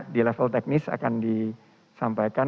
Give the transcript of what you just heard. di level teknis akan disampaikan